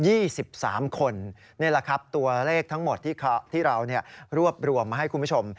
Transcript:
นี่แหละครับตัวเลขทั้งหมดที่เรารวบรวมมาให้คุณผู้ชม